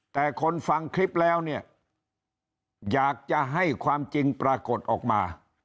แต่คนฟังคลิปแล้วเนี่ยอยากจะให้ความจริงปรากฏออกมา